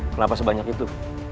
kenapa sebanyak itu